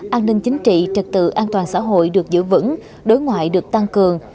an ninh chính trị trật tự an toàn xã hội được giữ vững đối ngoại được tăng cường